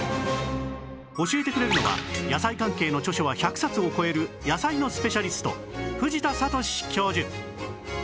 教えてくれるのは野菜関係の著書は１００冊を超える野菜のスペシャリスト藤田智教授